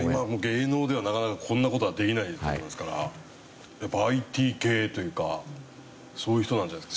芸能ではなかなかこんな事はできないと思いますからやっぱＩＴ系というかそういう人なんじゃないですか？